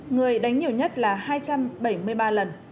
người đánh nhiều nhất là hai trăm bảy mươi ba lần